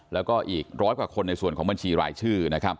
แล้วก็อีกร้อยกว่าคนในส่วนของเมือนชีหลายชื่อ